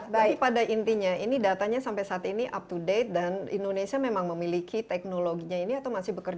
tapi pada intinya ini datanya sampai saat ini up to date dan indonesia memang memiliki teknologinya ini atau masih bekerja